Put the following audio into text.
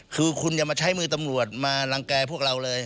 คือคุณอย่ามาใช้มือตำรวจมารังแก่พวกเราเลย